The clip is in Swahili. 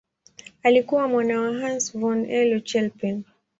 Alikuwa mwana wa Hans von Euler-Chelpin.